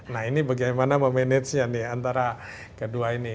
nah ini bagaimana memanagenya nih antara kedua ini